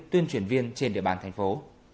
tuyên truyền viên trên địa bàn thành phố